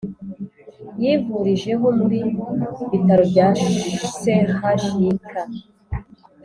yivurijeho muri bitaro bya chuk.